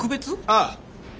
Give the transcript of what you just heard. ああ。